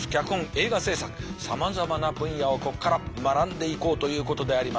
映画制作さまざまな分野をここから学んでいこうということであります。